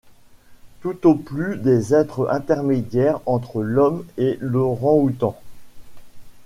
Tout au plus des êtres intermédiaires entre l’homme et l’orang-outang!